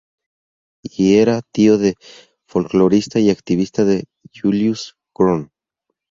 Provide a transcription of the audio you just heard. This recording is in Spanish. Y era tío del folclorista y activista del Julius Krohn.